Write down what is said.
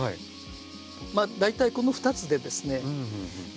まあ大体この２つでですね６５％。